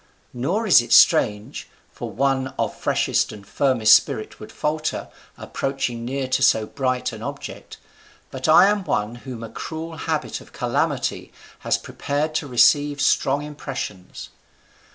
Nor is it strange; for one of freshest and firmest spirit would falter, approaching near to so bright an object: but I am one whom a cruel habit of calamity has prepared to receive strong impressions.